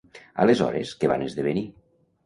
Aleshores, què van esdevenir?